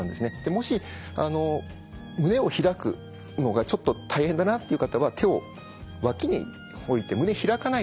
もし胸を開くのがちょっと大変だなっていう方は手を脇に置いて胸開かないでですね